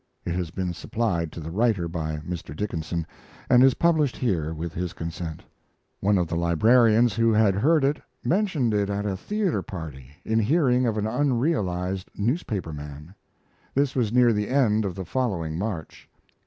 [It has been supplied to the writer by Mr. Dickinson, and is published here with his consent.] One of the librarians who had heard it mentioned it at a theater party in hearing of an unrealized newspaper man. This was near the end of the following March.